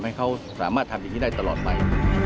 ให้เขาสามารถทำอย่างนี้ได้ตลอดไป